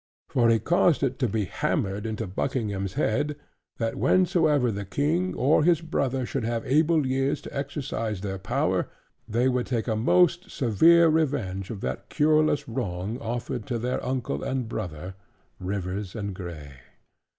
For he caused it to be hammered into Buckingham's head, that, whensoever the King or his brother should have able years to exercise their power, they would take a most severe revenge of that cureless wrong, offered to their uncle and brother, Rivers and Grey.